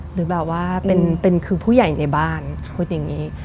หรือแบบว่าเป็นคือผู้ใหญ่ในบ้านพูดอย่างนี้